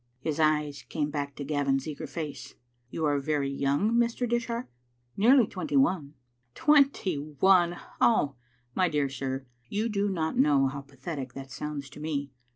His eyes came back to Gavin's eager face. " You are very young, Mr. Dishart?" "Nearly twenty one." "Twenty one! Ah, my dear sir, you do not know how pathetic that sounds to me.